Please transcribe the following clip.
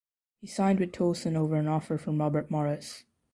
He signed with Towson over an offer from Robert Morris.